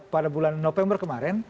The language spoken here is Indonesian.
pada bulan november kemarin